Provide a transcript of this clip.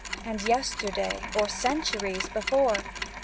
And yesterday — or centuries before?